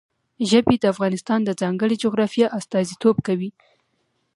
ژبې د افغانستان د ځانګړي جغرافیه استازیتوب کوي.